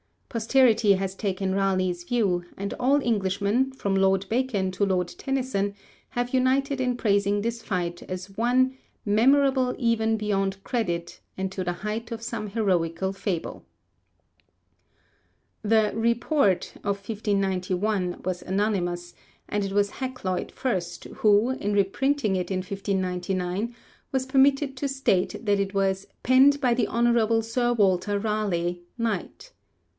Posterity has taken Raleigh's view, and all Englishmen, from Lord Bacon to Lord Tennyson, have united in praising this fight as one 'memorable even beyond credit, and to the height of some heroical fable.' The Report of 1591 was anonymous, and it was Hakluyt first who, in reprinting it in 1599, was permitted to state that it was 'penned by the honourable Sir Walter Ralegh, knight.'